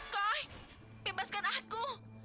koi bebaskan aku